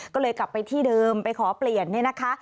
ก็เลยกลับไปที่เดิมไปขอเปลี่ยนเนี่ยนะคะ